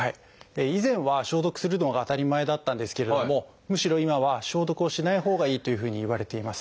以前は消毒するのが当たり前だったんですけれどもむしろ今は消毒をしないほうがいいというふうにいわれています。